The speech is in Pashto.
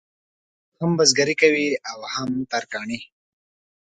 هم بزګري کوي او هم ترکاڼي.